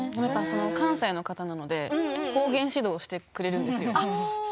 関西の方なので方言指導をしてくれるんですよ。